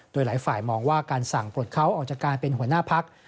โดยหลายฝ่ายมองว่าการสั่งปลดเขาออกจากการเป็นหัวหน้าพัก